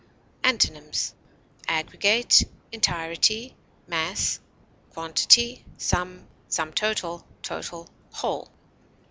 Antonyms: aggregate, entirety, mass, quantity, sum, sum total, total, whole.